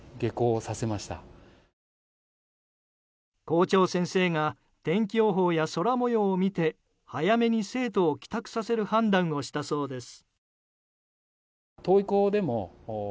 校長先生が天気予報や空模様を見て早めに生徒を帰宅させる判断をしたそうです。